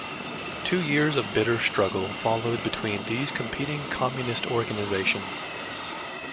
Two years of bitter struggle followed between these competing Communist organizations.